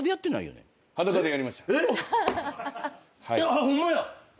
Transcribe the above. あっホンマや。